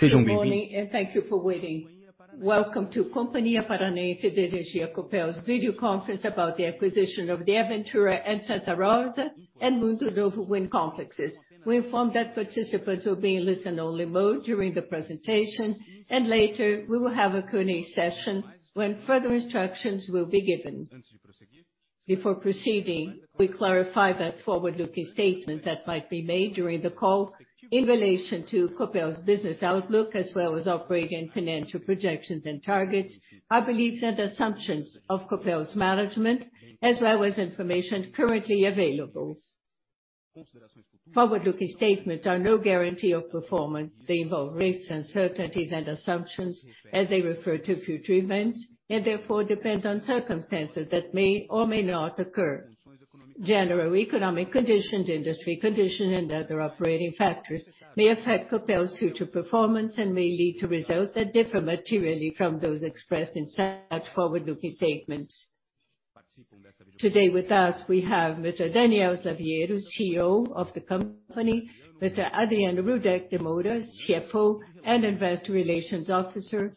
Good morning, and thank you for waiting. Welcome to Companhia Paranaense de Energia Copel's video conference about the acquisition of the Aventura and Santa Rosa and Mundo Novo wind complexes. We inform that participants will be in listen-only mode during the presentation. Later, we will have a Q&A session when further instructions will be given. Before proceeding, we clarify that forward-looking statement that might be made during the call in relation to Copel's business outlook, as well as operating and financial projections and targets, are beliefs and assumptions of Copel's management, as well as information currently available. Forward-looking statements are no guarantee of performance. They involve risks, uncertainties, and assumptions as they refer to future events, and therefore depend on circumstances that may or may not occur. General economic conditions, industry conditions, and other operating factors may affect Copel's future performance and may lead to results that differ materially from those expressed in such forward-looking statements. Today, with us, we have Mr. Daniel Pimentel Slaviero, CEO of the company. Mr. Adriano Rudek de Moura, CFO and Investor Relations Officer.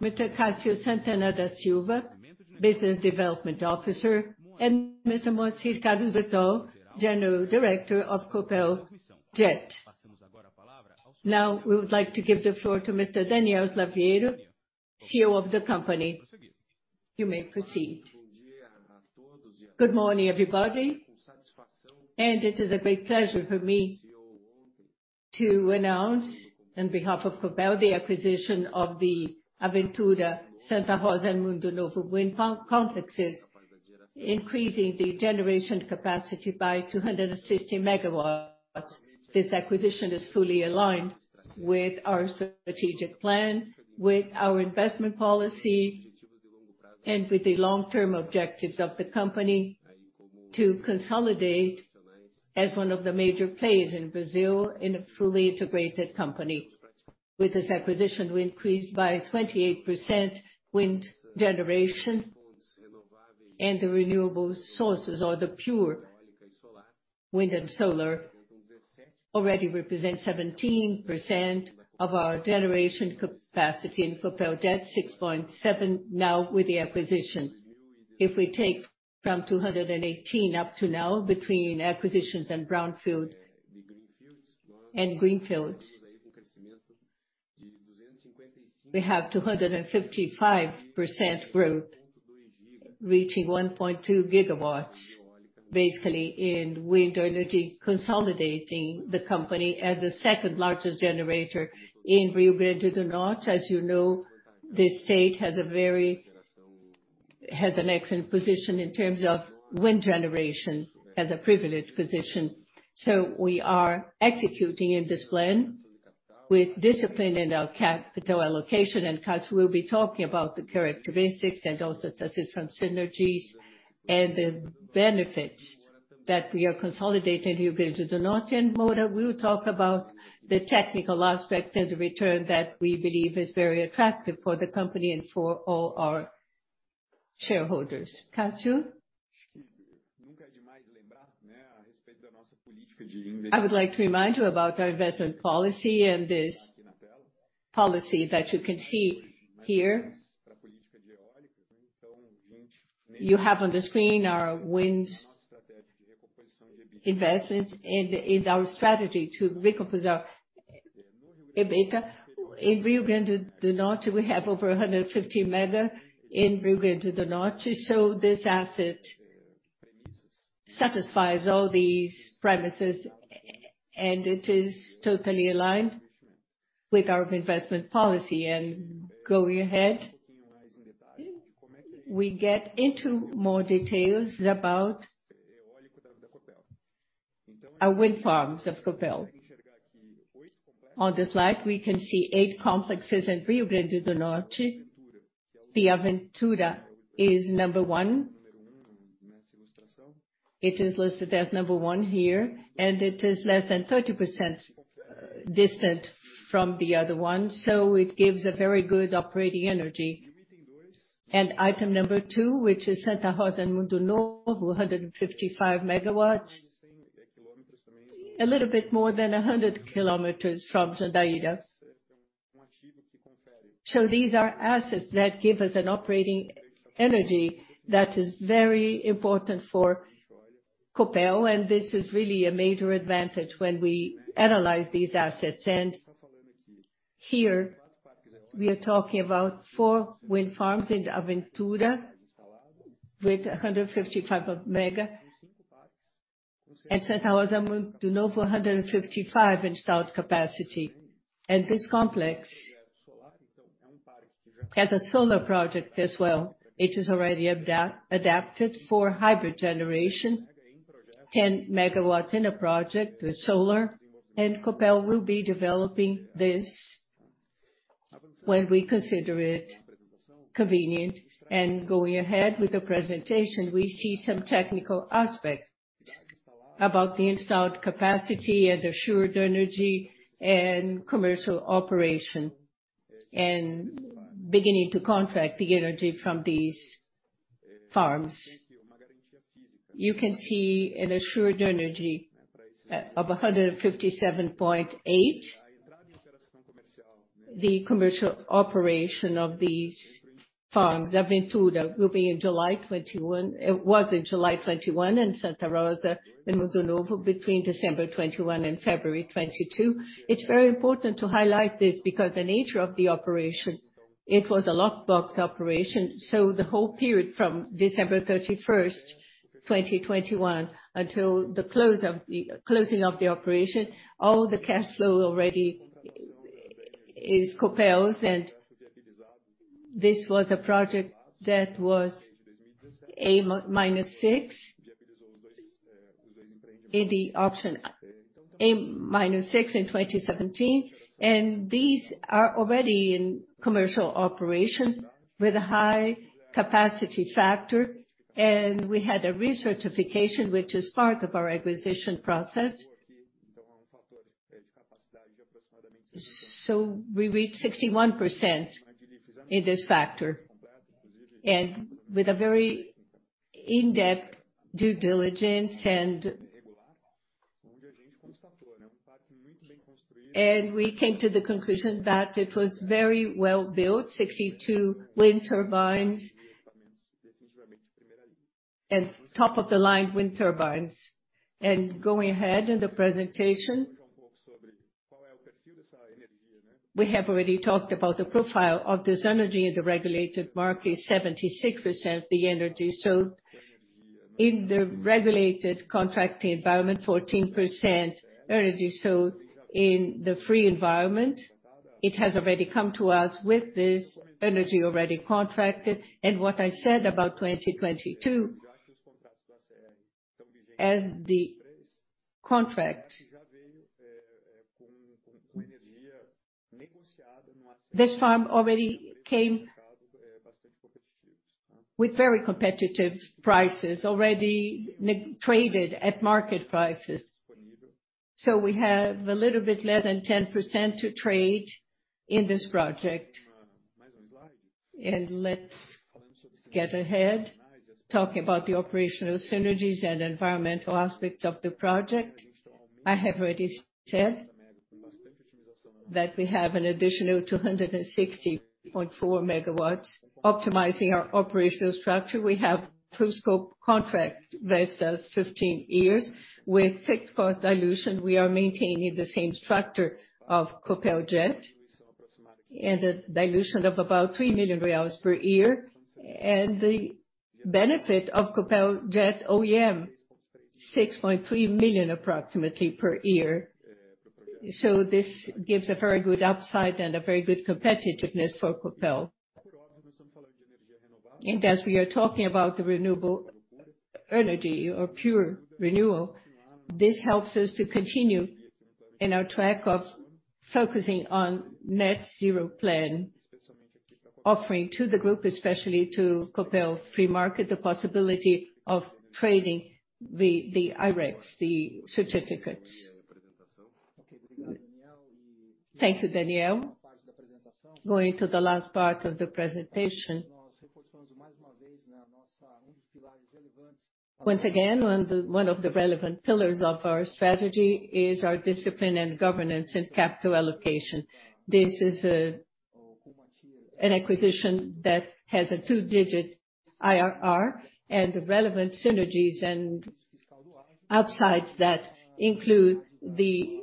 Mr. Cássio Santana da Silva, Business Development Officer, and Mr. Moacir Carlos Bertol, General Director of Copel Geração. Now, we would like to give the floor to Mr. Daniel Pimentel Slaviero, CEO of the company. You may proceed. Good morning, everybody, and it is a great pleasure for me to announce, on behalf of Copel, the acquisition of the Aventura, Santa Rosa, and Mundo Novo wind complexes, increasing the generation capacity by 260 MW. This acquisition is fully aligned with our strategic plan, with our investment policy, and with the long-term objectives of the company to consolidate as one of the major players in Brazil in a fully integrated company. With this acquisition, we increased by 28% wind generation and the renewable sources or the pure wind and solar already represent 17% of our generation capacity in Copel Geração, 6.7% now with the acquisition. If we take from 2018 up to now between acquisitions and brownfield, and greenfields, we have 255% growth, reaching 1.2 GW, basically in wind energy, consolidating the company as the second-largest generator in Rio Grande do Norte. As you know, this state has an excellent position in terms of wind generation, has a privileged position. We are executing in this plan with discipline in our capital allocation. Cássio will be talking about the characteristics and also the different synergies and the benefits that we are consolidating in Rio Grande do Norte. Moura will talk about the technical aspect and the return that we believe is very attractive for the company and for all our shareholders. Cássio? I would like to remind you about our investment policy and this policy that you can see here. You have on the screen our wind investment and in our strategy to recompose our EBITDA. In Rio Grande do Norte, we have over 150 MW in Rio Grande do Norte. This asset satisfies all these premises and it is totally aligned with our investment policy. Going ahead, we get into more details about our wind farms of Copel. On this slide, we can see eight complexes in Rio Grande do Norte. The Aventura is number one. It is listed as number one here, and it is less than 30% distant from the other one, so it gives a very good operating energy. Item number two, which is Santa Rosa and Mundo Novo, 155 MW, a little bit more than 100 km from Jandaíra. These are assets that give us an operating energy that is very important for Copel, and this is really a major advantage when we analyze these assets. Here we are talking about four wind farms in Aventura with 155 MW. In Santa Rosa and Mundo Novo, 155 MW installed capacity. This complex has a solar project as well. It is already adapted for hybrid generation. 10 MW in a project with solar. Copel will be developing this when we consider it convenient. Going ahead with the presentation, we see some technical aspects about the installed capacity and assured energy and commercial operation. Beginning to contract the energy from these farms. You can see an assured energy of 157.8 MW. The commercial operation of these farms, Aventura, will be in July 2021. It was in July 2021, and Santa Rosa and Mundo Novo between December 2021 and February 2022. It's very important to highlight this because the nature of the operation, it was a lockbox operation. The whole period from December 31st, 2021 until the closing of the operation, all the cash flow already is Copel's. This was a project that was an A-6 in the auction, an A-6 in 2017. These are already in commercial operation with a high capacity factor. We had a recertification which is part of our acquisition process. We reached 61% in this factor. With a very in-depth due diligence and we came to the conclusion that it was very well-built, 62 wind turbines. Top-of-the-line wind turbines. Going ahead in the presentation. We have already talked about the profile of this energy in the regulated market, 76% the energy sold. In the regulated contracting environment, 14% energy sold in the free environment. It has already come to us with this energy already contracted. What I said about 2022, as the contract. This farm already came with very competitive prices, already negotiated at market prices. We have a little bit less than 10% to trade in this project. Let's get ahead, talk about the operational synergies and environmental aspects of the project. I have already said that we have an additional 260.4 MW optimizing our operational structure. We have full scope contract with us 15 years. With fixed cost dilution, we are maintaining the same structure of Copel GeT and a dilution of about 3 million reais per year. The benefit of Copel GeT OEM, 6.3 million approximately per year. This gives a very good upside and a very good competitiveness for Copel. As we are talking about the renewable energy or pure renewal, this helps us to continue in our track of focusing on net zero plan, offering to the group, especially to Copel Mercado Livre, the possibility of trading the I-RECs, the certificates. Thank you, Daniel. Going to the last part of the presentation. Once again, one of the relevant pillars of our strategy is our discipline and governance in capital allocation. This is an acquisition that has a two-digit IRR and relevant synergies and upsides that include the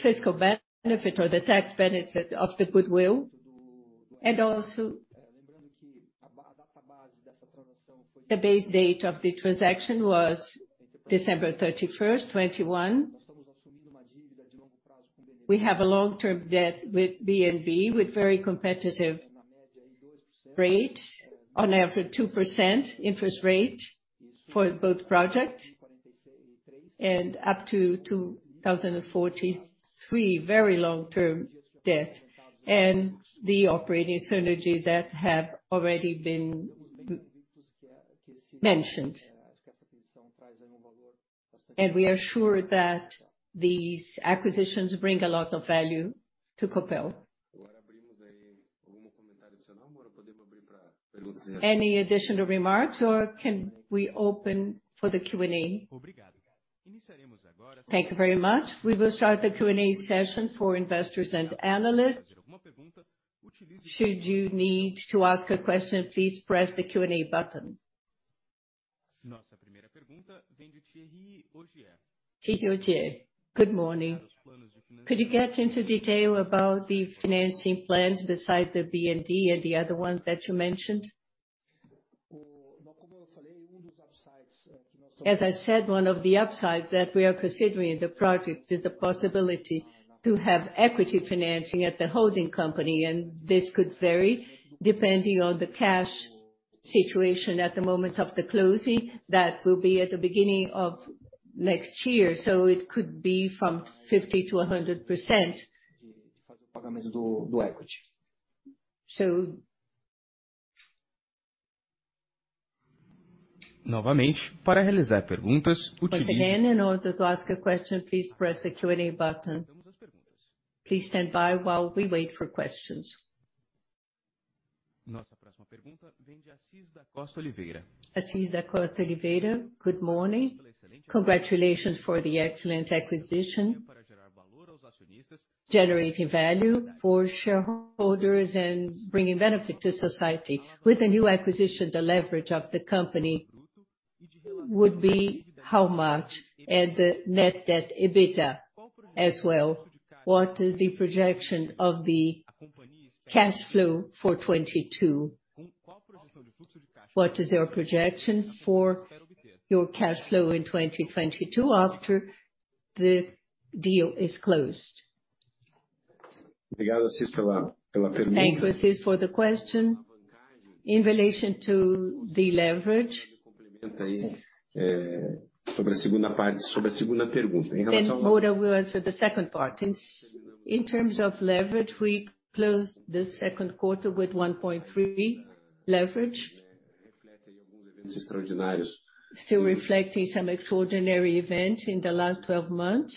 fiscal benefit or the tax benefit of the goodwill. The base date of the transaction was December 31st, 2021. We have a long-term debt with BNDES with very competitive rate. On average, 2% interest rate for both projects. Up to 2043, very long-term debt. The operating synergies that have already been mentioned. We are sure that these acquisitions bring a lot of value to Copel. Any additional remarks or can we open for the Q&A? Thank you very much. We will start the Q&A session for investors and analysts. Should you need to ask a question, please press the Q&A button. Good morning. Could you get into detail about the financing plans besides the BNDES and the other ones that you mentioned? As I said, one of the upside that we are considering in the project is the possibility to have equity financing at the holding company, and this could vary depending on the cash situation at the moment of the closing. That will be at the beginning of next year. It could be from 50%-100%. Once again, in order to ask a question, please press the Q&A button. Please stand by while we wait for questions. Nossa próxima pergunta vem de Assis da Costa Oliveira. Assis da Costa Oliveira, good morning. Congratulations for the excellent acquisition, generating value for shareholders and bringing benefit to society. With the new acquisition, the leverage of the company would be how much? And the net debt EBITDA as well. What is the projection of the cash flow for 2022? What is your projection for your cash flow in 2022 after the deal is closed? Obrigado, Assis, pela pergunta. Thank you, Assis, for the question. In relation to the leverage. Complementa aí, sobre a segunda parte, sobre a segunda pergunta. Em relação aos Moura will answer the second part. In terms of leverage, we closed the second quarter with 1.3 leverage. Isso é extraordinário. Still reflecting some extraordinary event in the last 12 months,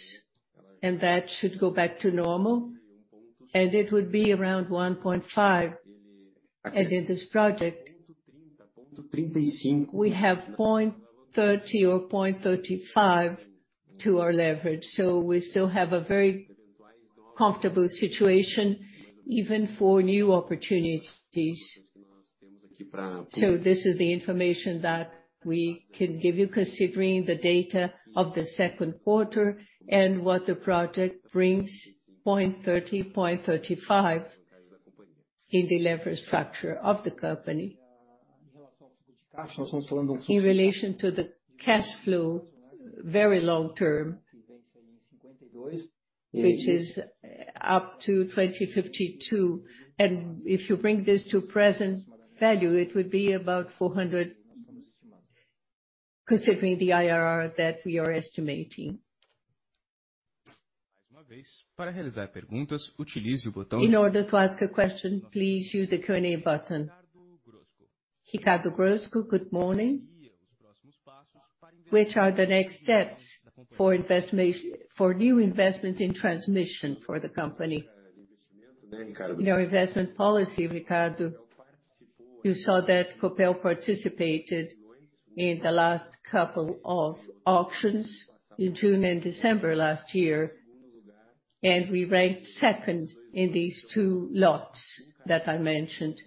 and that should go back to normal, and it would be around 1.5%. In this project- Ponto trinta, ponto trinta e cinco We have 0.30 or 0.35 to our leverage. We still have a very comfortable situation, even for new opportunities. This is the information that we can give you considering the data of the second quarter and what the project brings, 0.30, 0.35 in the leverage structure of the company. In relação ao fluxo de caixa, nós estamos falando. In relation to the cash flow, very long-term, which is up to 2052. If you bring this to present value, it would be about 400, considering the IRR that we are estimating. Mais uma vez, para realizar perguntas, utilize o botão. In order to ask a question, please use the Q&A button. Ricardo Grosco, good morning. Which are the next steps for new investment in transmission for the company? In our investment policy, Ricardo, you saw that Copel participated in the last couple of auctions in June and December last year, and we ranked second in these two lots that I mentioned.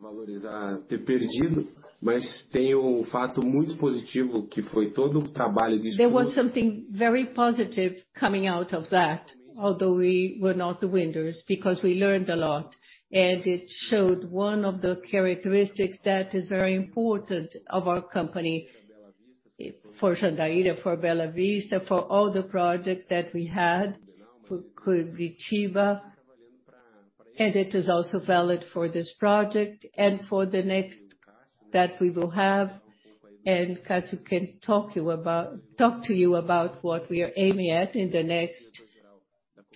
Valorizar ter perdido, mas tem o fato muito positivo, que foi todo o trabalho de escuta. There was something very positive coming out of that, although we were not the winners, because we learned a lot. It showed one of the characteristics that is very important of our company. For Jandaíra, for Bela Vista, for all the projects that we had, for Cutia. It is also valid for this project and for the next that we will have. Cássio can talk to you about what we are aiming at in the next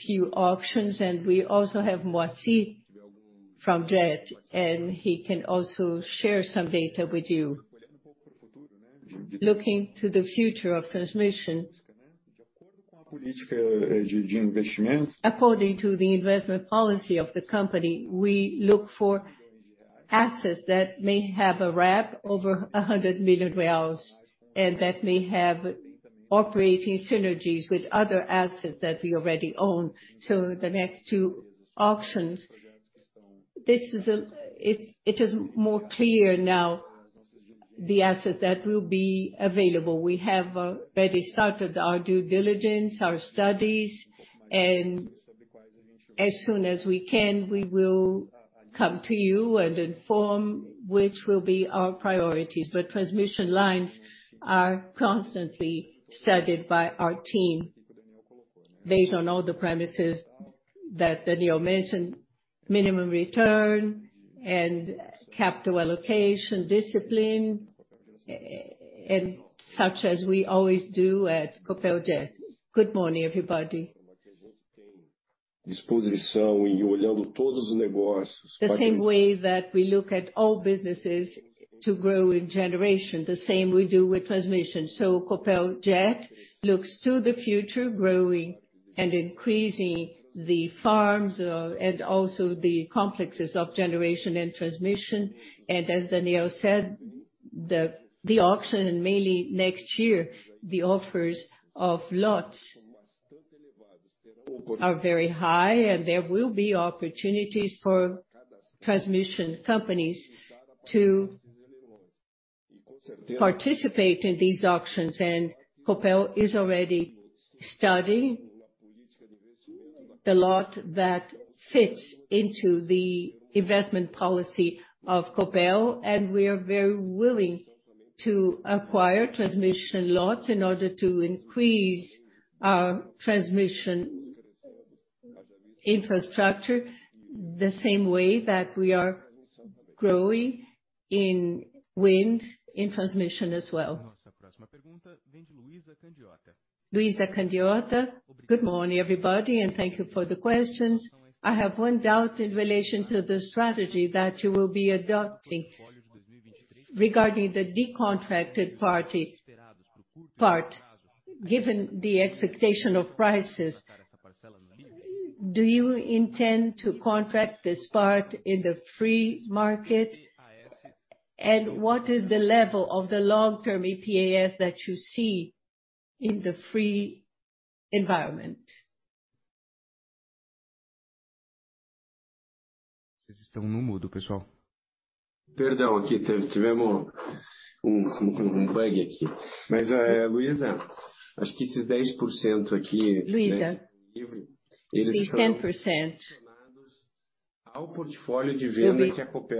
few auctions. We also have Moacir from GeT, and he can also share some data with you. Looking to the future of transmission. De acordo com a política de investimento. According to the investment policy of the company, we look for assets that may have a RAP over 100 million, and that may have operating synergies with other assets that we already own. The next two auctions, it's more clear now the assets that will be available. We have already started our due diligence, our studies, and as soon as we can, we will come to you and inform which will be our priorities. Transmission lines are constantly studied by our team based on all the premises that Daniel mentioned, minimum return and capital allocation discipline, and as we always do at Copel GeT. Good morning, everybody. Disposição em ir olhando todos os negócios. The same way that we look at all businesses to grow in generation, the same we do with transmission. Copel GeT looks to the future, growing and increasing the farms, and also the complexes of generation and transmission. As Daniel said, the auction and mainly next year, the offers of lots are very high and there will be opportunities for transmission companies to participate in these auctions. Copel is already studying the lot that fits into the investment policy of Copel, and we are very willing to acquire transmission lots in order to increase our transmission infrastructure the same way that we are growing in wind, in transmission as well. Nossa próxima pergunta vem de Luiza Candiota. Luiza Candiota. Good morning, everybody, and thank you for the questions. I have one doubt in relation to the strategy that you will be adopting. Regarding the decontracted energy part, given the expectation of prices, do you intend to contract this part in the free market? And what is the level of the long-term PPA that you see in the free environment? Luiza, these 10%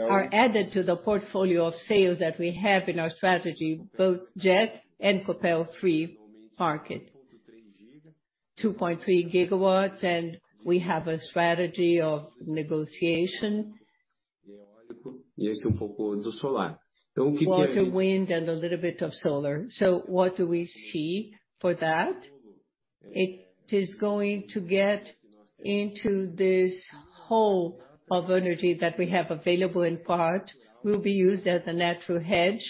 are added to the portfolio of sales that we have in our strategy, both Copel GeT and Copel Mercado Livre. 2.3 GW, and we have a strategy of negotiation. Water, wind, and a little bit of solar. What do we see for that? It is going to get into this whole of energy that we have available, in part will be used as a natural hedge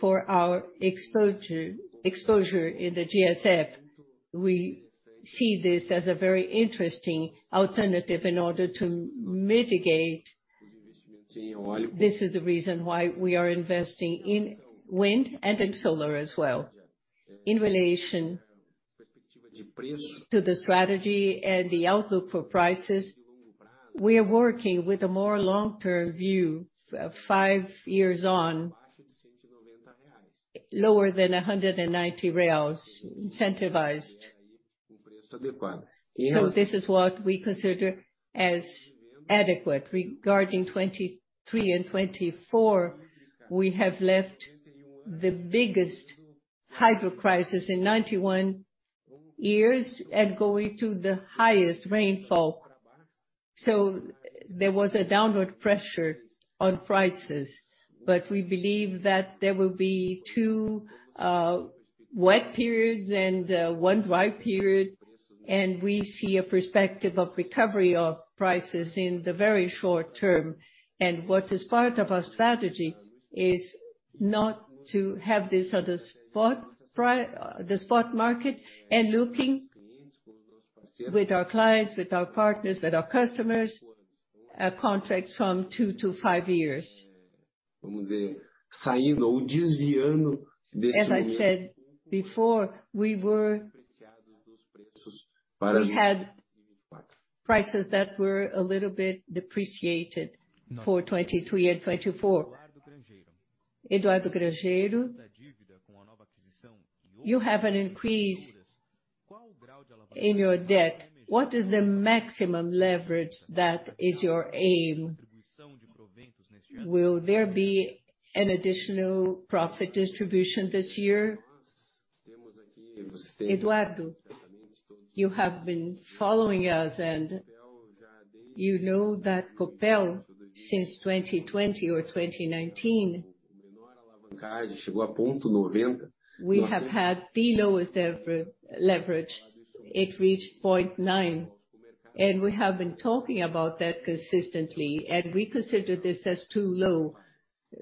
for our exposure in the GSF. We see this as a very interesting alternative in order to mitigate. This is the reason why we are investing in wind and in solar as well. In relation to the strategy and the outlook for prices, we are working with a more long-term view, five years on. Lower than BRL 190 incentivized. This is what we consider as adequate. Regarding 2023 and 2024, we have left the biggest hydro crisis in 91 years and going to the highest rainfall. There was a downward pressure on prices, but we believe that there will be two wet periods and one dry period, and we see a perspective of recovery of prices in the very short term. What is part of our strategy is not to have this at a spot market and looking with our clients, with our partners, with our customers, contracts from two-five years. As I said before, we had prices that were a little bit depreciated for 2022 and 2024. Eduardo Granjeiro, you have an increase in your debt. What is the maximum leverage that is your aim? Will there be an additional profit distribution this year? Eduardo, you have been following us, and you know that Copel, since 2020 or 2019, we have had the lowest ever leverage. It reached 0.9, and we have been talking about that consistently, and we consider this as too low.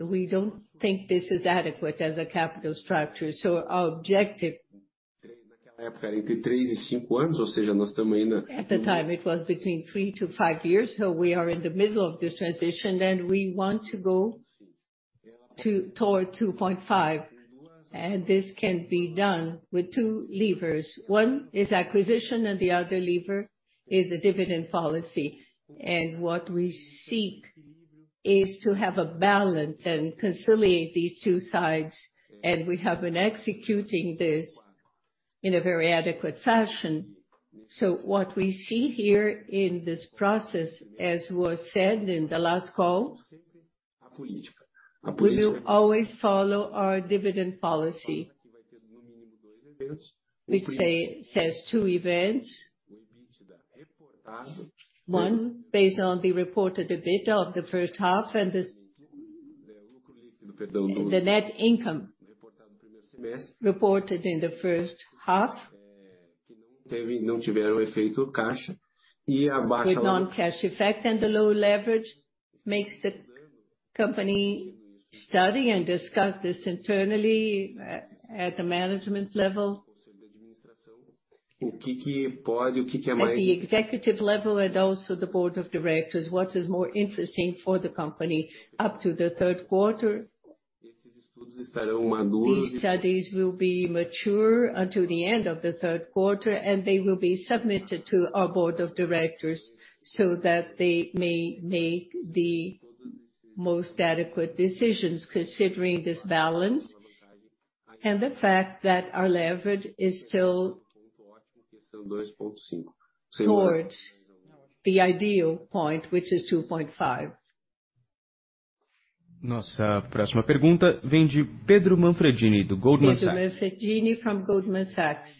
We don't think this is adequate as a capital structure, so our objective. At the time, it was between three-five years, so we are in the middle of this transition, and we want to go toward 2.5. This can be done with two levers. One is acquisition, and the other lever is the dividend policy. What we seek is to have a balance and conciliate these two sides, and we have been executing this in a very adequate fashion. What we see here in this process, as was said in the last call. We will always follow our dividend policy, which says two events. One, based on the reported EBITDA of the first half and the net income reported in the first half. With non-cash effect and the low leverage makes the company study and discuss this internally at the management level. At the executive level and also the board of directors, what is more interesting for the company up to the third quarter. These studies will be mature until the end of the third quarter, and they will be submitted to our board of directors so that they may make the most adequate decisions considering this balance and the fact that our leverage is still towards the ideal point, which is 2.5. Pedro Manfredini from Goldman Sachs.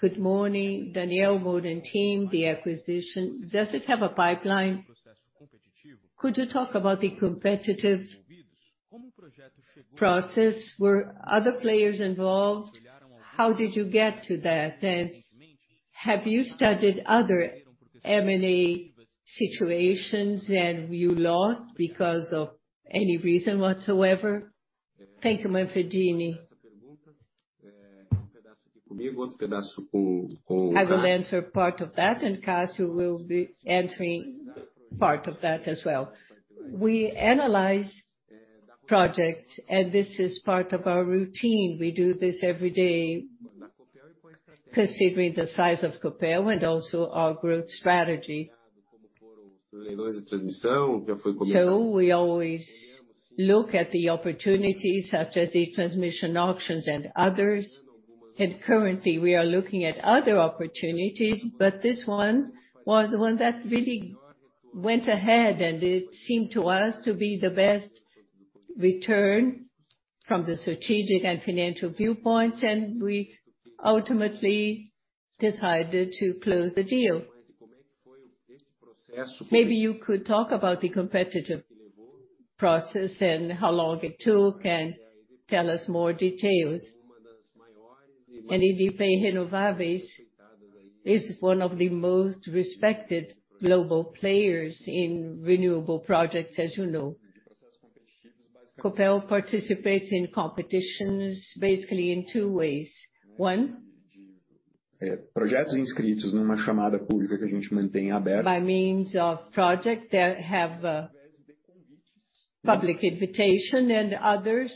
Good morning, Daniel, Moura and team. The acquisition, does it have a pipeline? Could you talk about the competitive process? Were other players involved? How did you get to that? Have you studied other M&A situations and you lost because of any reason whatsoever? Thank you, Manfredini. I will answer part of that, and Cássio will be answering part of that as well. We analyze projects, and this is part of our routine. We do this every day, considering the size of Copel and also our growth strategy. We always look at the opportunities, such as the transmission auctions and others. Currently, we are looking at other opportunities, but this one was the one that really went ahead, and it seemed to us to be the best return from the strategic and financial viewpoints, and we ultimately decided to close the deal. Maybe you could talk about the competitive process and how long it took, and tell us more details. EDP Renováveis is one of the most respected global players in renewable projects, as you know. Copel participates in competitions basically in two ways. One, by means of projects that have public invitation, and others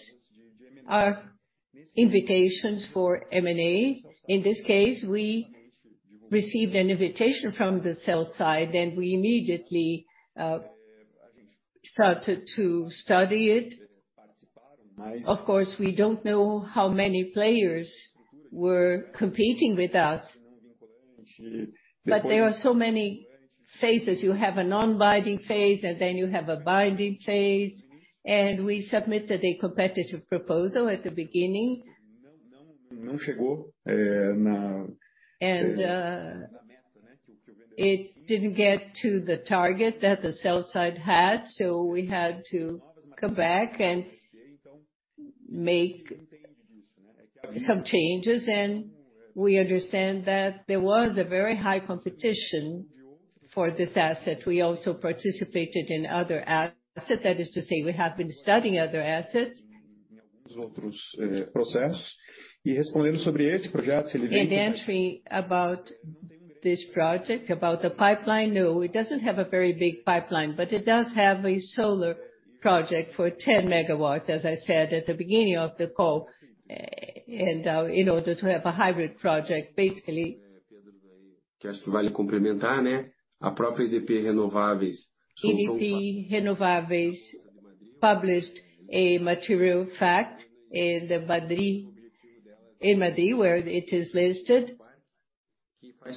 are invitations for M&A. In this case, we received an invitation from the sell side, and we immediately started to study it. Of course, we don't know how many players were competing with us. There were so many phases. You have a non-binding phase, and then you have a binding phase. We submitted a competitive proposal at the beginning. It didn't get to the target that the sell side had, so we had to come back and make some changes. We understand that there was a very high competition for this asset. We also participated in other assets. That is to say, we have been studying other assets. Entry about this project, about the pipeline. No, it doesn't have a very big pipeline, but it does have a solar project for 10 MW, as I said at the beginning of the call, in order to have a hybrid project, basically. EDP Renováveis published a material fact in Madrid, where it is listed. This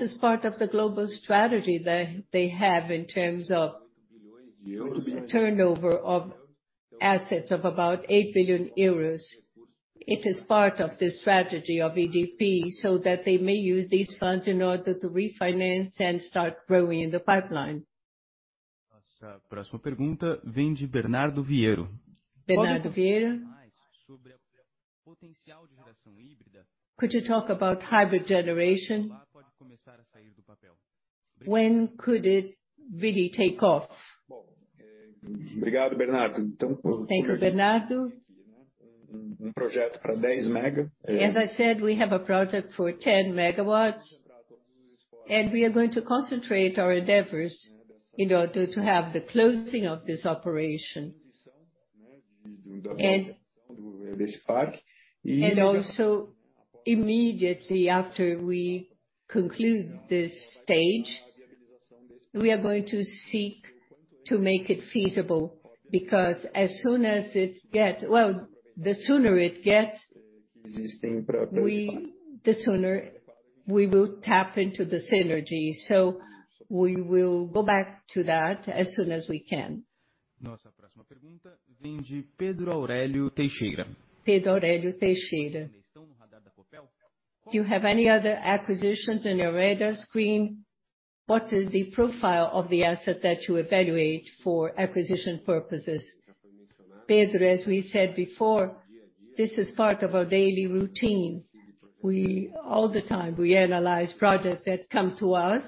is part of the global strategy that they have in terms of turnover of assets of about 8 billion euros. It is part of the strategy of EDP, so that they may use these funds in order to refinance and start growing in the pipeline. Bernardo Vieira. Could you talk about hybrid generation? When could it really take off? Thank you, Bernardo. As I said, we have a project for 10 MW, and we are going to concentrate our endeavors in order to have the closing of this operation. also immediately after we conclude this stage, we are going to seek to make it feasible, because as soon as it gets. Well, the sooner it gets, the sooner we will tap into the synergy. We will go back to that as soon as we can. Pedro Aurélio Teixeira. Do you have any other acquisitions on your radar screen? What is the profile of the asset that you evaluate for acquisition purposes? Pedro, as we said before, this is part of our daily routine. All the time, we analyze projects that come to us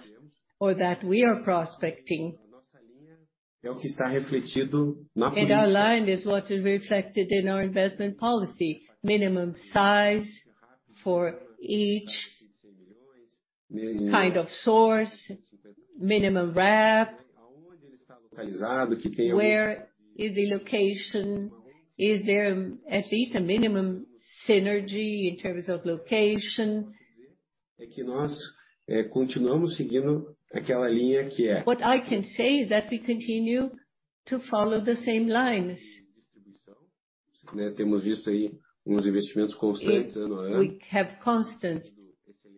or that we are prospecting. Our line is what is reflected in our investment policy, minimum size for each kind of source, minimum RAP. Where is the location? Is there at least a minimum synergy in terms of location? What I can say is that we continue to follow the same lines. We have constant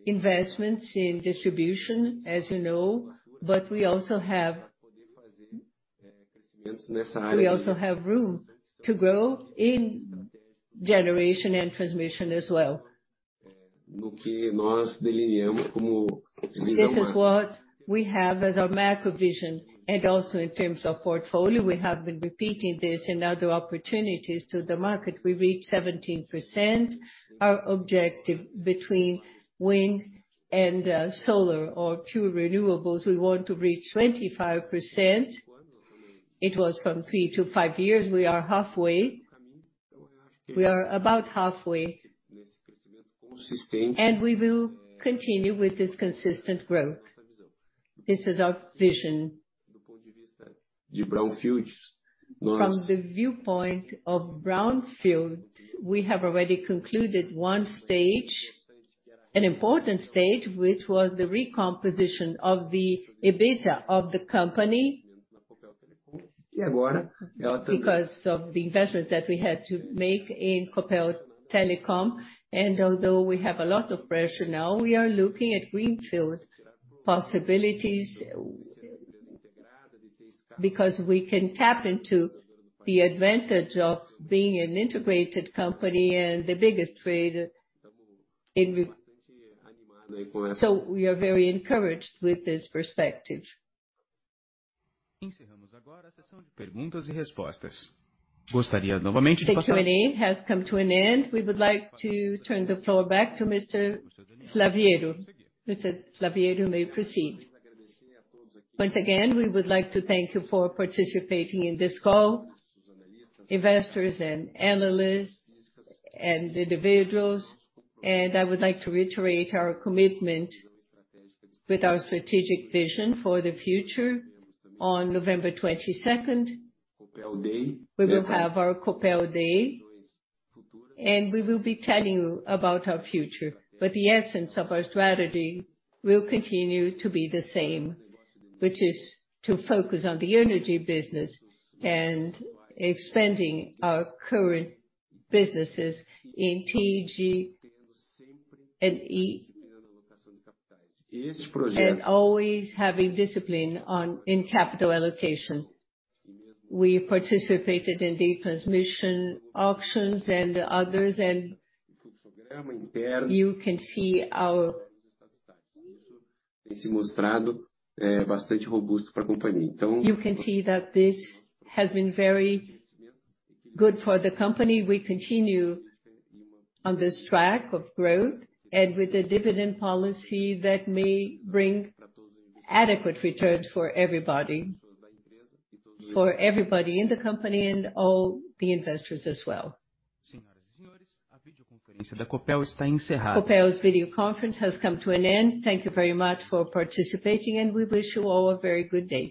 investments in distribution, as you know, but we also have room to grow in generation and transmission as well. No que nós delineamos como. This is what we have as our macro vision. Also in terms of portfolio, we have been repeating this in other opportunities to the market. We reached 17%. Our objective between wind and solar or pure renewables, we want to reach 25%. It was from three-five years. We are halfway. We are about halfway. We will continue with this consistent growth. This is our vision. De brownfields nós From the viewpoint of brownfields, we have already concluded one stage, an important stage, which was the recomposition of the EBITDA of the company. E agora- Because of the investment that we had to make in Copel Telecom. Although we have a lot of pressure now, we are looking at greenfield possibilities, because we can tap into the advantage of being an integrated company and the biggest trader in. We are very encouraged with this perspective. Encerramos agora a sessão de perguntas e respostas. The Q&A has come to an end. We would like to turn the floor back to Mr. Slaviero. Mr. Slaviero may proceed. Once again, we would like to thank you for participating in this call, investors and analysts and individuals. I would like to reiterate our commitment with our strategic vision for the future. On November 22nd, we will have our Copel Day, and we will be telling you about our future. The essence of our strategy will continue to be the same, which is to focus on the energy business and expanding our current businesses in T, G&D. Always having discipline on in capital allocation. We participated in the transmission auctions and others, and you can see our. Tem se mostrado bastante robusto pra companhia. You can see that this has been very good for the company. We continue on this track of growth and with a dividend policy that may bring adequate returns for everybody, for everybody in the company and all the investors as well. Senhoras e senhores, a videoconferência da Copel está encerrada. Copel's video conference has come to an end. Thank you very much for participating, and we wish you all a very good day.